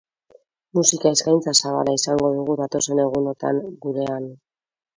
Musika eskaintza zabala izango dugu datozen egunotan gurean.